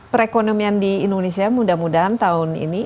perekonomian di indonesia mudah mudahan tahun ini